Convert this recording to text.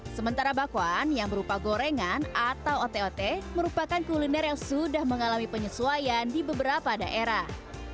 sementara bakwan yang berupa gorengan atau ote ote merupakan kuliner yang sudah mengalami penyesuaian di beberapa daerah